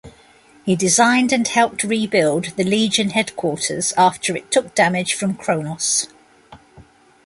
He designed and helped rebuild the Legion Headquarters after it took damage from Chronos.